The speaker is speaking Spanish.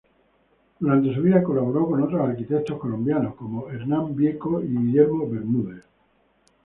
Durante su vida, colaboró con otros arquitectos colombianos como Hernán Vieco y Guillermo Bermúdez.